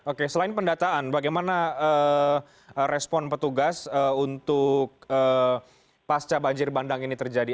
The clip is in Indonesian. oke selain pendataan bagaimana respon petugas untuk pasca banjir bandang ini terjadi